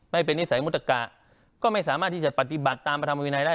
ไม่เป็นนิสัยมุตกะก็ไม่สามารถที่จะปฏิบัติตามประธรรมวินัยได้